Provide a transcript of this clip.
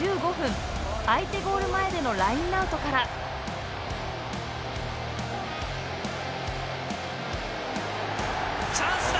相手ゴール前でのラインアウトからチャンスだ！